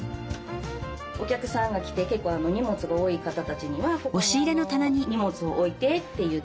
お客さんが来て結構荷物が多い方たちには「ここに荷物を置いて」って言って。